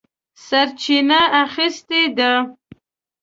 سرچینه اخیستې ده.